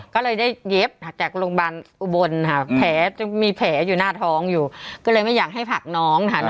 ก็เลยได้หยิบจากโรงบันอุบนคะแผลร์ตึงมีแผลอยู่หน้าท้องอยู่ก็เลยไม่อยากให้ภักร์น้องค่ะ